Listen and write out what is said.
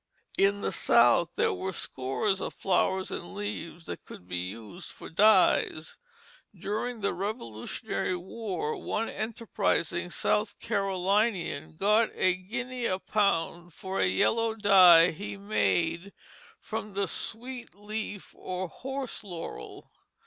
In the South there were scores of flowers and leaves that could be used for dyes. During the Revolutionary War one enterprising South Carolinian got a guinea a pound for a yellow dye he made from the sweet leaf or horse laurel.